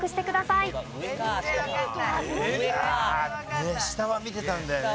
いや下は見てたんだよね。